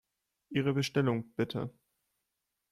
Ihre Bestellung, bitte!